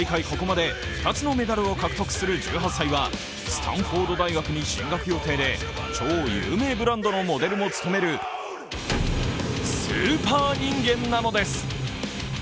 ここまで２つのメダルを獲得する１８歳はスタンフォード大学に進学予定で超有名ブランドのモデルも務めるスーパー人間なのです。